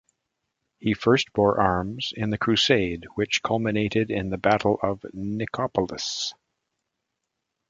He first bore arms in the crusade which culminated in the Battle of Nicopolis.